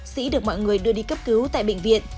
sĩ được mọi người đưa đi cấp cứu tại bệnh viện